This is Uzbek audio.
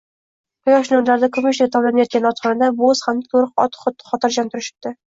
Quyosh nurlarida kumushdek tovlanayotgan otxonada bo`z hamda to`riq ot xotirjam turishibdi